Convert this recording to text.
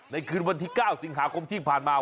คืนวันที่๙สิงหาคมที่ผ่านมา